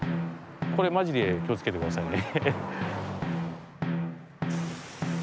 これマジで気をつけてくださいね。